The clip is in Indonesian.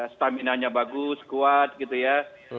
staminanya bagus kuat gitu ya